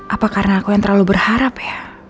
apa karena aku yang terlalu berharap ya